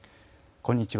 こんにちは。